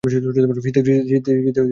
শীতে রোদ পোহাবে।